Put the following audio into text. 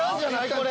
これ。